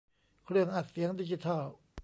เครื่องอัดเสียงดิจิทัล